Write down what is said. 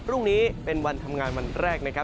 พรุ่งนี้เป็นวันทำงานวันแรกนะครับ